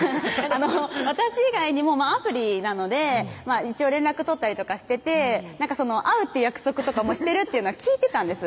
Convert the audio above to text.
私以外にもアプリなので一応連絡取ったりとかしてて会うっていう約束とかもしてるというのは聞いてたんです